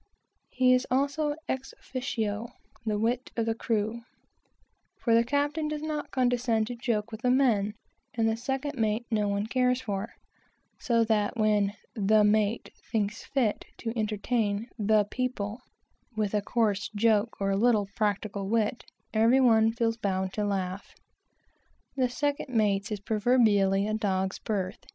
He is also, ex officio, the wit of the crew; for the captain does not condescend to joke with the men, and the second mate no one cares for; so that when "the mate" thinks fit to entertain "the people" with a coarse joke or a little practical wit, every one feels bound to laugh. The second mate's is proverbially a dog's berth.